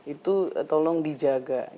itu tolong dijaga